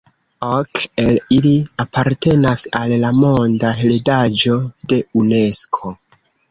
Ok el ili apartenas al la monda heredaĵo de Unesko.